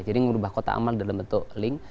jadi merubah kota amal dalam bentuk link